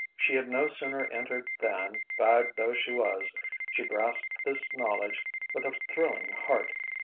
She had no sooner entered than, fagged though she was, she grasped this knowledge with a thrilling heart.